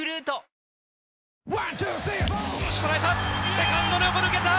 セカンドの横抜けた！